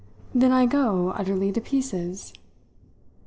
"Then I go utterly to pieces!"